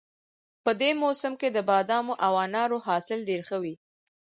په دې موسم کې د بادامو او انارو حاصل ډېر ښه وي